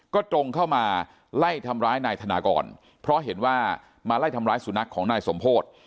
ก็ตรงเข้ามาไล่ทำร้ายนายธนากรเพราะเห็นว่ามาไล่ทำร้ายสุนัขของนายสมโพธิ